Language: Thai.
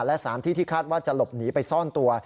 และสารที่ที่คาดว่าจะหลบหนีไปซ่อนตัว